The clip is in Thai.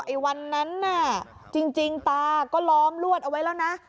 อีวันนั้นจริงตาก็ล้อมลวดเอาไว้ไว้แล้ว